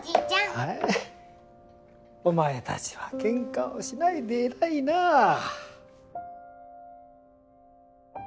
お前たちは喧嘩をしないで偉いなあ。